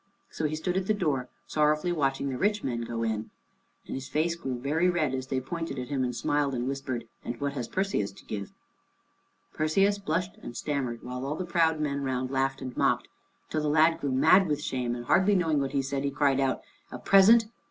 So he stood at the door, sorrowfully watching the rich men go in, and his face grew very red as they pointed at him and smiled and whispered, "And what has Perseus to give?" Perseus blushed and stammered, while all the proud men round laughed and mocked, till the lad grew mad with shame, and hardly knowing what he said, cried out: "A present!